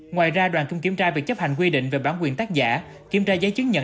ngoài ra đoàn cũng kiểm tra việc chấp hành quy định về bản quyền tác giả kiểm tra giấy chứng nhận